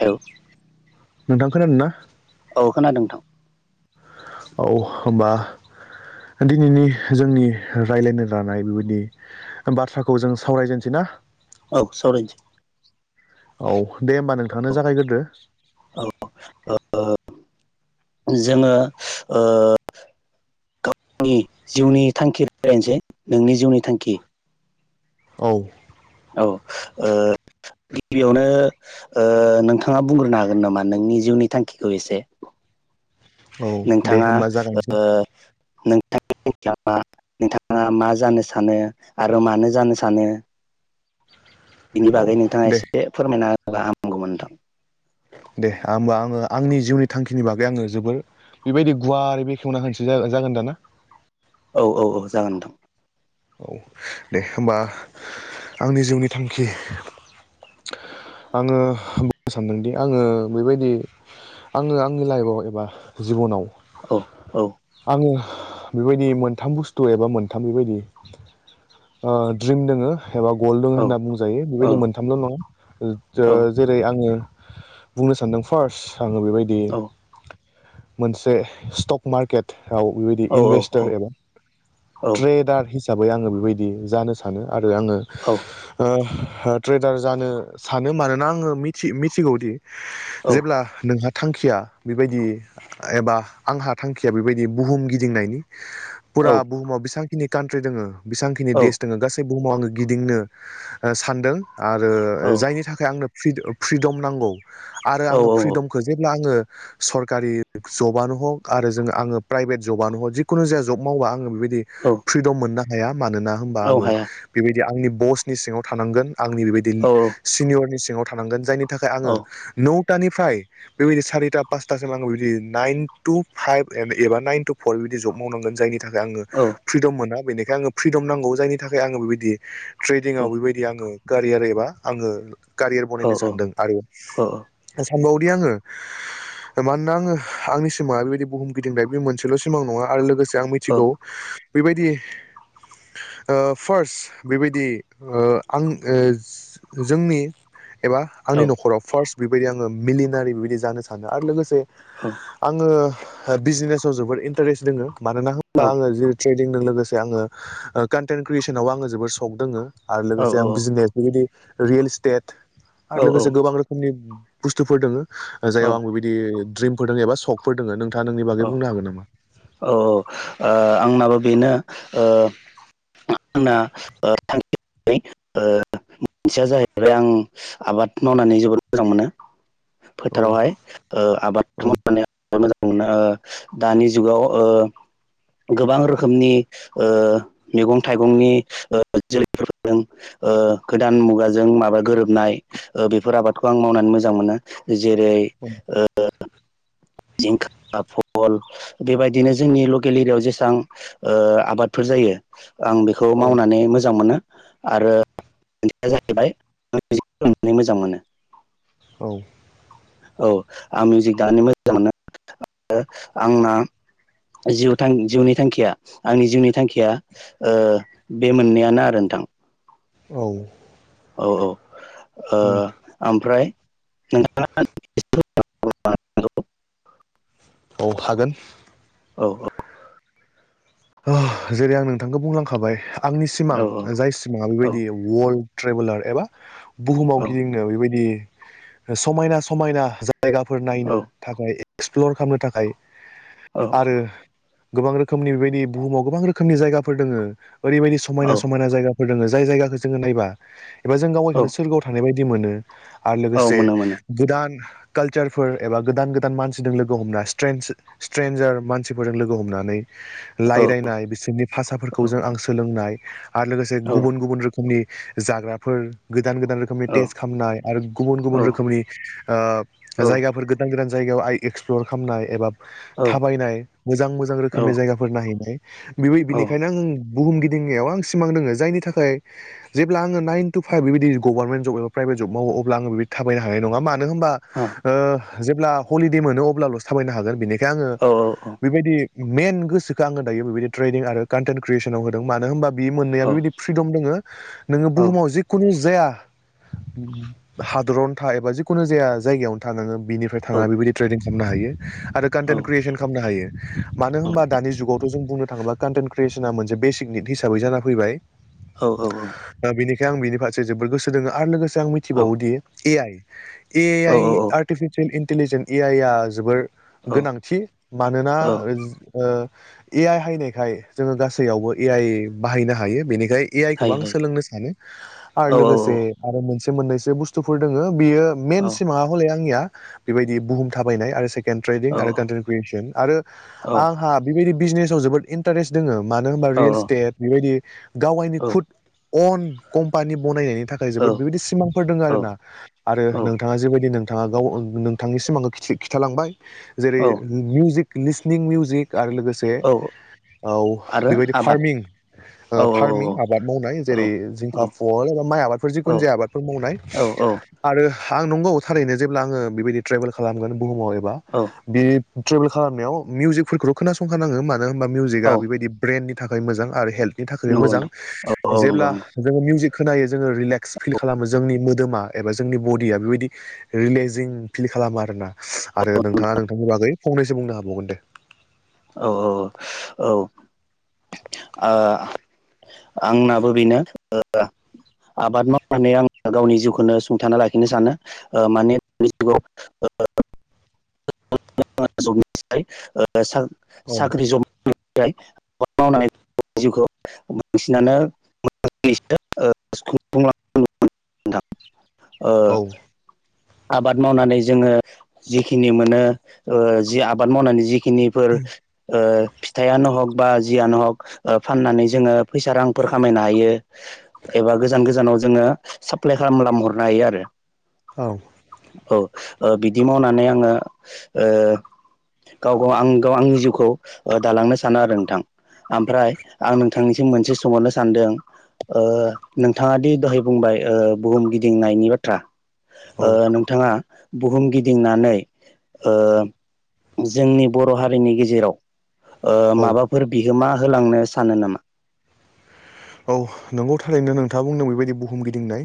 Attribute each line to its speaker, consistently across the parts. Speaker 1: औ
Speaker 2: नोंथां खोनादोंना?
Speaker 1: औ खोनादों नोंथां।
Speaker 2: औ होमबा दिनैनि जोंनि रायलायनो लानाय बेबायदि बाथ्राखौ जों सावरायजेनसै ना
Speaker 1: औ सावरायनोसै
Speaker 2: औ दे होमबा
Speaker 1: औ
Speaker 2: नोंथांआनो जागायग्रोदो
Speaker 1: औ जोङो ओ गावनि जिउनि थांखि [unintelligible] नोंनि जिउनि थांखि
Speaker 2: औ
Speaker 1: औ ओ गिबियावनो ओ नोंथाङा बुंग्रोनो हागोन नामा नोंनि जिउनि थांखिखौ एसे
Speaker 2: [inaudible] औ दे
Speaker 1: नोंथाङा
Speaker 2: होमबा जागायनोसै
Speaker 1: ओ नोंथां [unintelligible] नोंथाङा मा जानो सानो आरो मानो जानो सानो
Speaker 2: [unintelligible]
Speaker 1: बिनि
Speaker 2: औ
Speaker 1: बागै नोंथाङा
Speaker 2: दे
Speaker 1: एसे फोरमायना होबा हामगौमोन नोंथां
Speaker 2: दे आमबा आङो आंनि जिउनि थांखिनि बागै आङो जोबोर बेबायदि गुवारै बेखेवना होनोसै जा-जागोन दाना
Speaker 1: औ औ औ जागोन नोंथां
Speaker 2: औ दे होमबा आंनि जिउनि थांखि आङो बुंनो सानदोंदि आङो बेबायदि आङो आंनि लाइफआव एबा जिबनाव
Speaker 1: औ औ
Speaker 2: आङो बेबायदि मोनथाम बुस्थु एबा मोनथाम बेबायदि ओ द्रिम दङो एबा गल्ड दङ होनना बुंजायो
Speaker 1: औ
Speaker 2: बेबायदि मोनथामल' नङा ओ ओ
Speaker 1: औ
Speaker 2: जेरै- आङो बुंनो सानदों फार्स्ट आङो बेबायदि
Speaker 1: औ
Speaker 2: मोनसे स्टक मार्केट आव बेबायदि
Speaker 1: औ
Speaker 2: इनभेस्टार एबा ट्रेडार हिसाबै आङो बेबायदि जानो सानो आरो आङो ओ ओ ट्रेडार जानो सानो मानोना आङो मिथि-मिथिगौदि जेब्ला नोंहा थांखिया बेबायदि एबा आंहा थांखिया बेबायदि बुहुम गिदिंनायनि फुरा बुहुमाव बेसेबांखिनि कान्ट्रि दङ बेसेांखिनि
Speaker 1: औ
Speaker 2: देस दङ गासै बुहुमाव आङो गिदिंनो ओ सानदों आरो जायनि थाखाय आंनो फ्रि-फ्रिदम नांगौ आरो
Speaker 1: औ
Speaker 2: आङो
Speaker 1: औ
Speaker 2: फ्रिदमखौ जेब्ला आङो सरकारि जबानो हक आरो जोङो आङो प्राइभेट जबानो हग जिखुनु जाया जब मावबा आङो बेबाय दि
Speaker 1: औ
Speaker 2: फ्रिदम मोननो हाया मानोना होमबा
Speaker 1: औ
Speaker 2: आङो
Speaker 1: हाया
Speaker 2: बेबायदि आंनि बसनि सिङाव थानांगोन आंनि बेबायदि
Speaker 1: औ
Speaker 2: सिनियरनि सिङाव थानांगोन जायनि थाखाय
Speaker 1: औ
Speaker 2: आङो न' तानिफ्राय बेबायदि सारिता पासतासिम आं बि नाइन टु फाइभ एबा नाइन टु फर जब मावनांगोन जायनि थाखाय आङो
Speaker 1: औ
Speaker 2: फ्रिदम मोना बेनिखायनो आंनो फ्रिदम नांगौ जायनि थाखाय आङो बेबायदि
Speaker 1: औ
Speaker 2: ट्रेदिंआव बेबायदि आङो कारियार एबा आङो कारियार
Speaker 1: औ
Speaker 2: बनायनो सानदों आरो [unintelligible]
Speaker 1: औ
Speaker 2: [unintelligible] आङो मानोना आङो आंनि सिमाङा बेबायदि बुहुम गिदिंनाय बे मोनसेल' सिमां नङा आरो लोगोसे आं
Speaker 1: औ
Speaker 2: मिथिगौ बेबायदि ओ फार्स्ट बेबायदि ओ आं ओ जोंनि एबा आंनि न'खराव फार्स्ट बेबायदि आङो मिलिनारि बेबायदि जानो सानो आरो लोगोसे आङो बिजनेसाव जोबोद इन्टारेस्ट दोङो मानोना होमबा आङो जेरै ट्रेदिंजों लोगोसे आङो ओ कन्टेन्ट क्रियेसनावबो आङो जोबोर सक दङो। आरो लोगोसे आं बिजिनेस बेबायदि रियेल इस्टेट आरो
Speaker 1: औ औ
Speaker 2: लोगोसे गोबां रोखोमनि बस्थुफोर दङो जाययाव आं बेबायदि द्रिमफोर दङ एबा सशकफोर दङो नोंथां
Speaker 1: औ औ औ आंनाबो बेनो। [inaudible] मोनसेया जाहैबाय आं आबाद मावनानै जोबोद मोजां मोनो।
Speaker 2: औ
Speaker 1: फोथारावहाय आबाद
Speaker 2: औ
Speaker 1: मावनो जोबोद मोजां मोनो। दानि जुगाव गोबां रोखोमनि मैगं थाइगंनि जोलैफोर फोदों गोदान मुगाजों माबा गोरोबनाय बेफोर आबादखौ आं मावनानै मोजां मोनो। जेरै
Speaker 2: औ
Speaker 1: जिंखा बहल बेबायदिनो जोंनि लकेल एरियायाव जेसबां आबादफोर जायो। आं बेखौ मावनानै मोजां मोनो। [inaudible]
Speaker 2: औ।
Speaker 1: औ आं मिउजिक दामनो मोजां मोनो आंना जिउ थां जिउनि थांखिया आंनि जिउनि थांखिया बे मोननैआनो आरो नोंथां। नोंथां।
Speaker 2: औ।
Speaker 1: औ औ ओमफ्राय। [inaudible]
Speaker 2: औ हागोन।
Speaker 1: औ औ।
Speaker 2: जेरै आं नोंथांखौ बुंलांखाबाय आंनि
Speaker 1: औ
Speaker 2: सिमां जाय सिमाङा
Speaker 1: औ
Speaker 2: बेबायदि वाल्ड ट्रेबेलार एबा बुहुमाव गिदिंनो बेबायदि समायना समायना जायगाफोर
Speaker 1: औ
Speaker 2: नायनो थाखाय एक्सप्लर खालामनो थाखाय
Speaker 1: औ
Speaker 2: आरो गोबां रोखोमनि बेबायदि बुहुमाव गोबां रोखोमनि जायगाफोर दङो ओरैबायदि समायना
Speaker 1: औ
Speaker 2: समायना जायगा। फोर दङ जाय जायगाखौ जोङो नायबा एबा गाव
Speaker 1: औ
Speaker 2: गावखौनो सोरगोआव थानाय बायदि मोनो। आरो
Speaker 1: औ
Speaker 2: लोगोसे
Speaker 1: मोनो मोनो
Speaker 2: गोदान कालचारफोर एबा गोदान गोदान मानसिजों लोगो हमना स्ट्र स्ट्रेन्जार मानसिफोरजों लोगो हमनानै
Speaker 1: औ
Speaker 2: रायलायनाय बिसोरनि
Speaker 1: औ
Speaker 2: भाषाफोरखौ जों आं सोलोंनाय। आरो लोगोसे
Speaker 1: औ
Speaker 2: गुबुन गुबुन रोखोमनि जाग्राफोर गोदान गोदान रोखोमनि टेस्ट खालामनाय आरो गुबुन
Speaker 1: औ
Speaker 2: गुबुन रोखोमनि
Speaker 1: औ
Speaker 2: जायगाफोर गोदान गोदान जायगायाव आइ एक्सप्लर खालामनाय एबा थाबायनाय मोजां मोजां
Speaker 1: औ औ
Speaker 2: रोखोमनि जायगा। नायहैनाय बिनिखायनो आं बुहुम गिदिंनायाव आं सिमां दोङो जायनि थाखाय जेब्ला आङो नाइन टु फाइभ बिबायदि गभार्मेट जब एबा फ्राइबेट जब मावो अब्ला आं बिबदि थाबायनो हानाय नङा मानो होनबा जेब्ला हलिदे मोनो अब्लाल'सो थाबायनो हागोन बेनिखायनो आङो
Speaker 1: औ
Speaker 2: बेबायदि मेन गोसो आङो दायो बेबायदि ट्रेडनिं आरो कन्टेन्ट क्रियेसनाव होदों मानो होनोमबा बे मोननैया बेबायदि फ्रिदम दङ नोङो। बुहुमाव जिखुनु जाया हादरावनो था एबा जिखुनु जाया जायगायावनो था नोङो बिनिफ्राय थानानै बेबायदि ट्रेडं खालामनो हायो। हायो आरो कनटेन क्रियेसन खालामनो हायो मानो होनबा दानि जुगावथ' जों बुंनो थाङोब्ला कन्टेन क्रियेसना मोनसे बेसिक निट हिसाबै जानानै फैबाय।
Speaker 1: औ औ औ।
Speaker 2: बेनिखायनो आं बिनि फारसे जोबोर गोसो दोङो आरो लोगोसे आं मिथिबावोदि ए आइ ए आइ
Speaker 1: औ
Speaker 2: आरो आर्टिफिसियेल इन्टिलिजेन्स ए आइ आ जोबोर
Speaker 1: औ
Speaker 2: गोनांथि मानोना
Speaker 1: औ
Speaker 2: ओ ए आइ हायनायखाय जोङो गासैयावबो ए आइ बाहायनो हायो बेनिखाय ए आइ खौबो
Speaker 1: हायो
Speaker 2: आं
Speaker 1: हायो
Speaker 2: सोलोंनो सानो।
Speaker 1: औ
Speaker 2: आरो लोगोसे आरो मोनसे मोननैसो बुस्थुफोर दङो बियो
Speaker 1: औ
Speaker 2: मेन सिमाङा हले आंनिया बेबायदि बुहुम थाबायनाय आरो सेकेन्द त्रेदिं आरो कनतेन क्रियेसन आरो
Speaker 1: औ
Speaker 2: आंहा बेबायदि बिजनेसाव जोबोद इन्टारेस्ट दोङो मानो होनबा
Speaker 1: औ
Speaker 2: रियेल इस्टेट बेबायदि गावाइनि खुद अन कम्पानि बनायनायनि थाखाय
Speaker 1: औ
Speaker 2: जोबोद बेबायदि सिमांफोर दङ आरो ना आरो नोंथाङा जेबायदिनो नोंथाङा गाव नोंथांनि सिमांखो खिन्थालांबाय
Speaker 1: औ
Speaker 2: जेरै मिउजिक लिसनिं मिउजिक आरो लोगोसे
Speaker 1: औ
Speaker 2: औ
Speaker 1: आरो
Speaker 2: बेबायदि
Speaker 1: आबाद
Speaker 2: फार्मिं
Speaker 1: औ
Speaker 2: ओ
Speaker 1: औ
Speaker 2: फार्मिं आबाद मावनाय
Speaker 1: औ
Speaker 2: जेरै
Speaker 1: औ
Speaker 2: जिंखा फल एबा माइ आबादफोर जिखुनु जाया आबादफोर मावनाय
Speaker 1: औ
Speaker 2: आरो आं नंगौ थारैनो नो जेब्ला आंङो बेबायदि ट्रेबेल खालामगोन बुहुमाव एबा
Speaker 1: औ
Speaker 2: बि ट्रेबेल खालामनायाव मिउजिक फोरखोल खोनासंखानाङो मानो होनबा
Speaker 1: औ
Speaker 2: मिउजिका बेबायदि ब्रेननि थाखाय मोजां आरो हेल्थनि थाखायबो
Speaker 1: नंगौ
Speaker 2: मोजां
Speaker 1: नोंथां औ
Speaker 2: जे
Speaker 1: नंगौ
Speaker 2: ब्ला
Speaker 1: नंगौ
Speaker 2: जोङो मिउजिक खोनायो जोङो रिलेक्स फिल खालामो जोंनि मोदोमा एबा जोंनि बडिया बेबायदि रिलेक्जिं फिल खालामो आरोना आरो नोंथाङा नोंथांनि बागै फंनैसो बुंनो हाबावगोन दे
Speaker 1: औ औ ओ आंनाबो बेनो ओ आबाद मावनानै आं गावनि जिउखौनो सुंथाना लाखिनो सानो ओ माने बे जुगाव ओ
Speaker 2: [inaudible]
Speaker 1: [unintelligible] ओ सा
Speaker 2: औ
Speaker 1: साख्रि जब आबाद मावनानै जिउखौ बांसिनानो [unintelligible] नोंथां
Speaker 2: [inaudible]
Speaker 1: ओ
Speaker 2: औ
Speaker 1: आबाद मावनानै जोङो जिखिनि मोनो ओ जि आबाद मावनानै जिखिनिफोर ओ फिथाइयानो हग बा जियानो हग ओ फाननानै जोङो फैसा रांफोर खामायनो हायो एबा गोजान गोजानाव जोङो साफ प्लाइ खालामना हरनो हायो आरो
Speaker 2: औ
Speaker 1: औ ओ बिदि मावनानै आङो ओ गाव गाव आं गाव आंनि जिउखौ ओ दालांनो सानो आरो नोंथां ओमफ्राय आं नोंथांनिसिम मोनसे सोंहरनो सानदों ओ नोंथाङा दि दहाय बुंबाय ओ बुहुम गिदिंनायनि बाथ्रा ओ
Speaker 2: औ
Speaker 1: नोंथाङा बुहुम गिदिंनानै ओ जोंनि बर' हारिनि गेजेराव ओ
Speaker 2: औ
Speaker 1: माबाफोर बिहोमा होलांनो सानो नामा
Speaker 2: औ नंगौ थारैनो नोंथाङा बुंदों बेबायदि बुहुम गिदिंनाय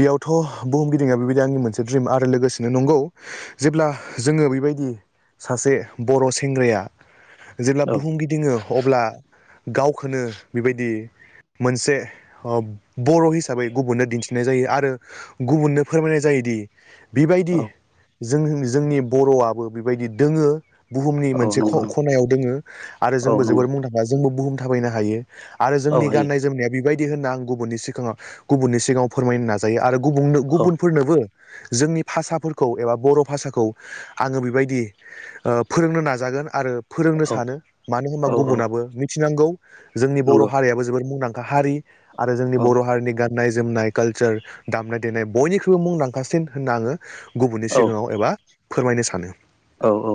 Speaker 2: बेयावथ' बुहुम गिदिं बेबायदि आंनि मोनसे द्रिम आरो लोगोसेनो नंगौ जेब्ला जोङो बेबायदि सासे बर' सेंग्राया जेब्ला
Speaker 1: औ
Speaker 2: बुहुम गिदिङो अब्ला गावखौनो बेबायदि मोनसे बर' हिसाबै गुबुननो दिन्थिनाय जायो आरो गुबुननो फोरमाय नाय जायोदि बेबायदि
Speaker 1: औ
Speaker 2: जों जोंनि बर'आबो बेबायदि दोङो बुहुमनि
Speaker 1: औ
Speaker 2: मोनसे
Speaker 1: नंगौ
Speaker 2: खनायाव दोङो आरो
Speaker 1: औ
Speaker 2: जोंबो
Speaker 1: नंगौ
Speaker 2: जोबोर मुंदांखा जोंबो बुहुम थाबायनो हायो आरो
Speaker 1: औ
Speaker 2: जोंनि
Speaker 1: हायो
Speaker 2: गाननाय जोमनाया बेबायदि होनना आं गुबुननि सिगाङाव गुबुननि सिगाङाव फोरमायनो नाजायो आरो गुबुननो
Speaker 1: औ
Speaker 2: गुबुनफोरनोबो जोंनि भाषाफोरखौ एबा बर' भाषाखौ आङो बेबायदि ओ फोरोंनो नाजा गोन आरो फोरोंनो
Speaker 1: औ
Speaker 2: सानो मानो होनबा
Speaker 1: औ औ
Speaker 2: गुबुनाबो मिथिनांगौ जोंनि बर'
Speaker 1: नंगौ
Speaker 2: हारियाबो जोबोर मुंदांखा हारि आरो जोंनि
Speaker 1: औ
Speaker 2: बर' हारिनि गान न्नाय जोमनाय कालसार दामनाय देनाय बयनिख्रुइबो मुंदांखासिन होनना आङो गुबुननि
Speaker 1: औ
Speaker 2: सिगाङाव एबा फोरमायनो सानो
Speaker 1: औ औ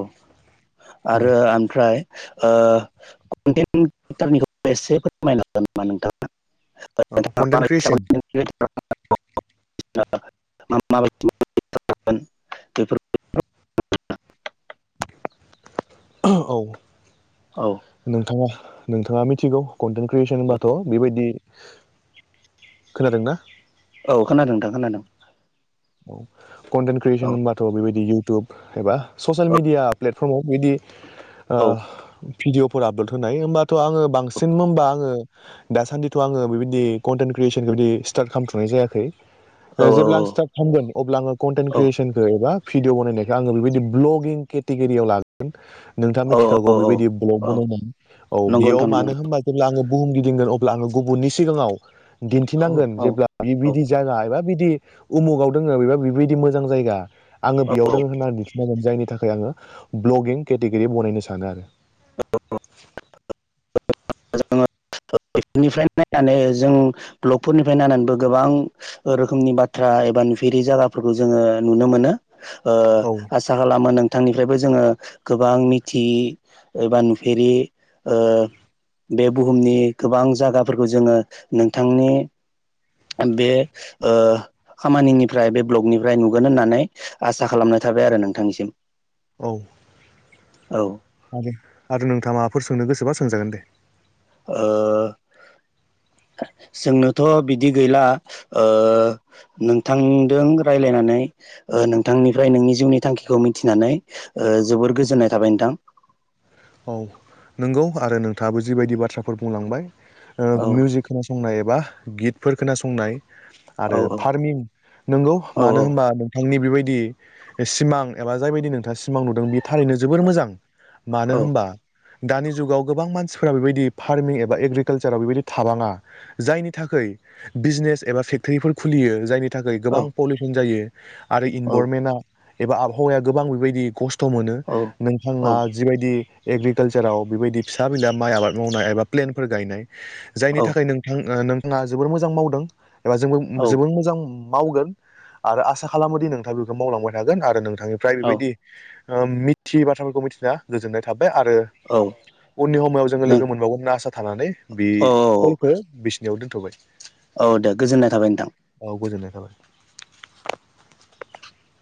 Speaker 1: आरो
Speaker 2: औ
Speaker 1: ओमफ्राय ओ ओ कन्टेन्ट टारनिखौ एसे फोरमायनो हागोन नामा नोंथाङा
Speaker 2: कन्टेन्ट क्रियेसन
Speaker 1: [unintelligible] माबायदि बे [unintelligible]
Speaker 2: औ
Speaker 1: औ
Speaker 2: नोंथाङा नोंथाङा मिथिगौ कन्टेन्ट क्रियेसन होनबाथ' बेबायदि खोनादोंना
Speaker 1: औ खोनादों नोंथां खोनादों।
Speaker 2: औ कन्टेन्ट
Speaker 1: औ
Speaker 2: क्रियेसन होनबाथ' बेबायदि इउटुब एबा ससियेल मिडिया प्लेटफर्माव बिदि ओ
Speaker 1: औ
Speaker 2: भिदिअफोर आपलद होनाय होमबाथ' आङो बांसिन होनबा आङो दासान्दिथ' आङो बिबायदि कनथेन क्रीएसन बेबादि स्तारथ खालाम'नाय जायाखै ओ
Speaker 1: औ
Speaker 2: जेब्ला आं स्तारथ खालामोन अब्ला आं कनतेन क्रियेसनखो एबा भिडिअ बनायनायखौ आङो बेबायदि भ्लगिं केटेगरियाव लागोन नोंथाङा
Speaker 1: औ
Speaker 2: मिथिखागौ
Speaker 1: औ
Speaker 2: बेबायदि
Speaker 1: औ नंगौ नोंथां नंगौ
Speaker 2: [unintelligible] ब्ला आङो गुबुननि सिगाङाव
Speaker 1: औ
Speaker 2: दिन्थिनांगोन
Speaker 1: औ
Speaker 2: जेब्ला बि
Speaker 1: औ
Speaker 2: बिदि जायगा एबा बिदि उमुगाव दोङो बेबा बेबायदि मोजां जायगा आङो बेयाव दोङो होननानै [unintelligible] जायनि थाखाय खाय आङो ब्लगिं केटेगरि बनायनो सानो आरो।
Speaker 1: [unintelligible] नायनानै जों ब्लकफोरनिफ्राय नायनानैबो गोबां रोखोमनि बाथ्रा एबि नुफेरि जागाफोरखौ जोङो नुनो मोनो ओ
Speaker 2: औ
Speaker 1: आसा खालामो नों थांनिफ्रायबो जोङो गोबां मिथियि एबा नुफेरि ओ बे बुहुमनि गोबां जायगाफोरखौ जोङो नोंथांनि बे ओ खामानिनिफ्राय बे ब्लगनिफ्राय नुगोन होननानै आसा खालाम नाय थाबाय आरो नोंथांनिसिम।
Speaker 2: औ
Speaker 1: औ
Speaker 2: आरो आरो नोंथाङा माबाफोर सोंनो गोसोबा सोंजागोन दे।
Speaker 1: ओ
Speaker 2: [inaudible]
Speaker 1: जोंनोथ' बिदि गैला ओ नोंथांजों राय्लायनानै ओ नोंथांनिफ्राय नोंनि जिउनि थांखिखौ मिथिनानै ओ जोबोर गोजोननाय थाबाय नोंथां।
Speaker 2: औ नंगौ आरो नोंथाङाबो जिबायदि बाथ्राफोर बुंलांबाय
Speaker 1: औ
Speaker 2: ओ मिउजिक खोनासंनाय एबा गितफोर खोनासंनाय
Speaker 1: औ
Speaker 2: आरो फारमिं नंगौ
Speaker 1: औ
Speaker 2: मानो होनबा नोंथांनि बेबाय दि सिमां एबा जायबायायदि नोंथाङा सिमां नुदों बे थारैनो जोबोर मोजां। मानो
Speaker 1: औ
Speaker 2: होनबा दानि जुगाव गोबां मानसिफोरा बेबायदि फार्मिं एबा एग्रिकालसाराव बेबायदि थाबाङा जायनि थाखै खै बिजनेस एबा फेक्टरि खुलियो जायनि थाखाय गोबां
Speaker 1: औ
Speaker 2: पलुसन जायो आरो
Speaker 1: औ
Speaker 2: इनभरमेना एबा आबहावाया गोबां बेबायदि खस थ'' मोनो
Speaker 1: औ
Speaker 2: नोंथाङा बायदि एग्रिकालसाराव बेबायदि फिसा बिला माइ आबाद मावनाय एबा प्लेनफोर गायनाय जायनि
Speaker 1: औ
Speaker 2: थाखाय नोंथां ओ नोंथाङा जोबोर मोजां मावदों एबा जोंबो
Speaker 1: औ
Speaker 2: जोबोर मोजां मावगोन आरो आसा खालामोदि नोंथाङा बेखौ मावलांबाय थागोन आरो नोंथांनिफ्राय बेबायदि ओ मिथियै बाथ्राफोरखौ मिथिना गोजोननाय थाबाय आरो
Speaker 1: औ
Speaker 2: उननि हमाव जोङो
Speaker 1: नों
Speaker 2: लोगो मोनबावगोन होनना आसा थानानै बे
Speaker 1: औ औ
Speaker 2: कलखौ बिसिनियाव दोनथ'बाय।
Speaker 1: औ दे गोजोननाय थाबाय नोंथां।
Speaker 2: [unintelligible]